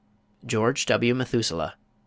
GEORGE W. METHUSELAH.